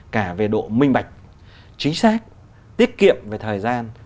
cả về độ minh bạch chính xác tiết kiệm về thời gian